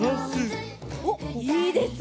おっいいですね！